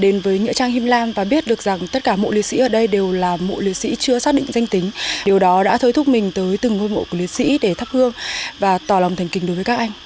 đến với nghĩa trang him lam và biết được rằng tất cả mộ liệt sĩ ở đây đều là mộ liệt sĩ chưa xác định danh tính điều đó đã thối thúc mình tới từng ngôi mộ của liệt sĩ để thắp hương và tỏ lòng thành kình đối với các anh